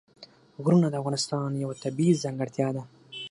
غرونه د افغانستان یوه طبیعي ځانګړتیا ده.